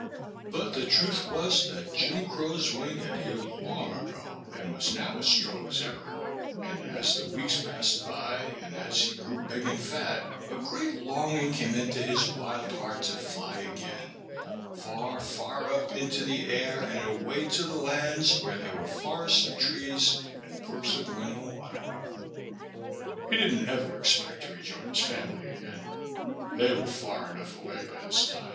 But the truth was, that Jim Crow's wing had healed long ago, and was now as strong as ever; and, as the weeks passed by, and he grew big and fat, a great longing came into his wild heart to fly again far, far up into the air and away to the lands where there were forests of trees and brooks of running water. He didn't ever expect to rejoin his family again. They were far enough away by this time.